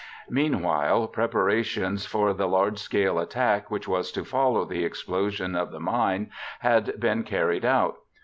Meanwhile, preparations for the large scale attack which was to follow the explosion of the mine had been carried out.